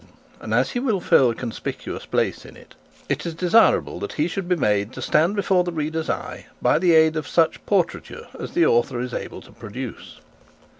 And as he will fill a conspicuous place in this volume, it is desirable that he should be made to stand before the reader's eye by the aid of such portraiture as the author is able to produce.